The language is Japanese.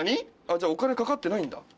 じゃあお金かかってないんだ。